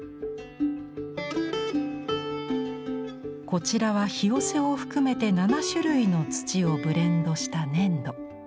こちらはひよせを含めて７種類の土をブレンドした粘土。